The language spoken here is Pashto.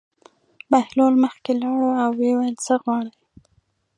بهلول مخکې لاړ او ویې ویل: څه غواړې.